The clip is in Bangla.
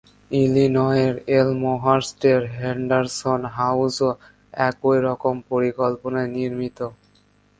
ইলিনয়ের এলমহার্স্টের হেন্ডারসন হাউসও একই রকম পরিকল্পনায় নির্মিত।